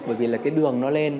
bởi vì là cái đường nó lên